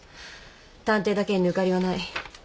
探偵だけに抜かりはない。